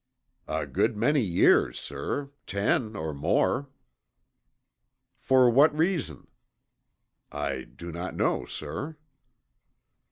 "A good many years, sir, ten or more." "For what reason?" "I do not know, sir."